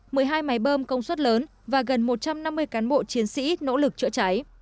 một mươi hai máy bơm công suất lớn và gần một trăm năm mươi cán bộ chiến sĩ nỗ lực chữa cháy